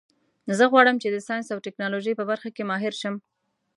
زه غواړم چې د ساینس او ټکنالوژۍ په برخه کې ماهر شم